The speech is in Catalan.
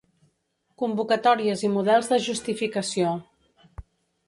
Convocatòries i models de justificació.